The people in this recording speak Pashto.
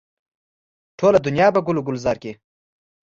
ټوله دنیا به ګل و ګلزاره کړي.